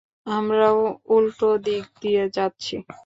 আমরাও উল্টোদিক দিয়ে যাচ্ছি।